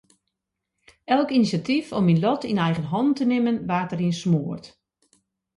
Elk inisjatyf om myn lot yn eigen hannen te nimmen waard deryn smoard.